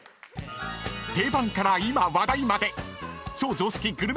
［定番から今話題まで］